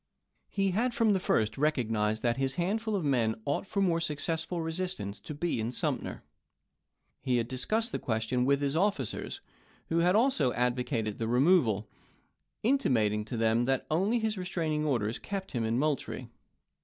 He had, from the first, recognized that his handful of men ought for more success ful resistance to be in Sumter. He had discussed the question with his officers, who also advocated Doubieday, the removal, intimating to them that only his re sumter and straining orders kept him in Moultrie.